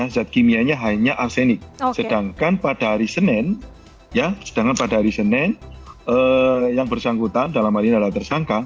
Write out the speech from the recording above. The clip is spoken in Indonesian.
zat kimianya hanya arsenik sedangkan pada hari senin yang bersangkutan dalam hal ini adalah tersangka